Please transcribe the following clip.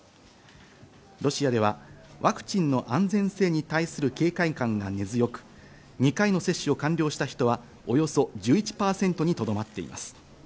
ロシアではワクチンの安全性に対する警戒感が根強く、２回の接種を完了した人はおよそ１１％にとどまっています。